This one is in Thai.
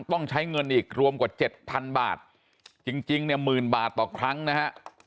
ต้องใช้เงินอีกรวมกว่าเจ็ดพันบาทจริงเนี่ยหมื่นบาทต่อครั้งนะฮะ